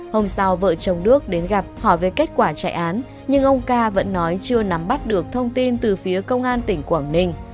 hôm sau vợ chồng đức đến gặp hỏi về kết quả trại án nhưng ông ca vẫn nói chưa nắm bắt được thông tin từ phía công an tỉnh quảng ninh